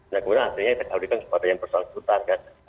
nah kemudian akhirnya kita kawalikan kepada yang persoal seputar